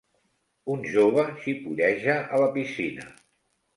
Un jove xipolleja a la piscina